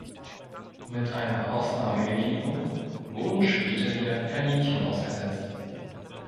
Mit einer Ausnahmegenehmigung wurden später wieder Kaninchen ausgesetzt.